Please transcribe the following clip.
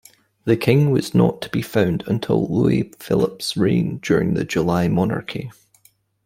This king was not to be found until Louis-Philippe's reign during the July Monarchy.